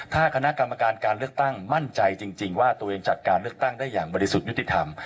ถ้าคณะกรรมการการเลือกตั้งมั่นใจจริงว่าตัวเองจัดการเลือกตั้งได้อย่างบริสุทธิ์ยุติธรรม